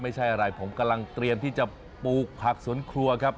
ไม่ใช่อะไรผมกำลังเตรียมที่จะปลูกผักสวนครัวครับ